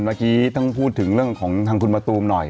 เมื่อกี้ต้องพูดถึงเรื่องของทางคุณมะตูมหน่อย